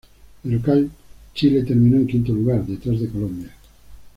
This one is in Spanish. El local, Chile terminó en quinto lugar, detrás de Colombia.